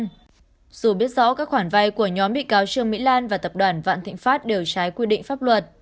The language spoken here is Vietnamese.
dù biết rõ các khoản vai của nhóm bị cáo trương mỹ lan và tập đoàn vạn thịnh phát đều trái quy định pháp luật